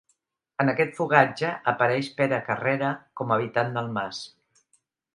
En aquest fogatge apareix Pere Carrera com a habitant del mas.